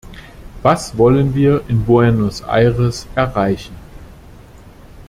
Was wollen wir in Buenos Aires erreichen?